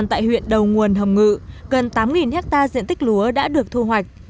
tại huyện đầu nguồn hồng ngự gần tám hectare diện tích lúa đã được thu hoạch